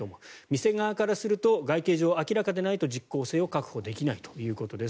店側からすると外形上明らかでないと実効性を確保できないということです。